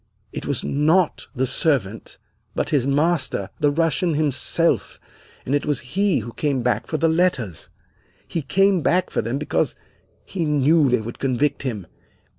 It was not the servant, but his master, the Russian himself, and it was he who came back for the letters! He came back for them because he knew they would convict him.